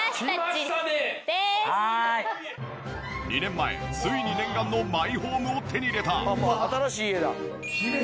２年前ついに念願のマイホームを手に入れた。